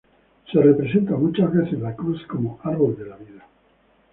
La cruz está representada muchas veces como "árbol de la vida".